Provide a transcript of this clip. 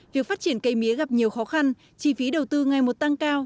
việc phát triển cây mía gặp nhiều khó khăn chi phí đầu tư ngày một tăng cao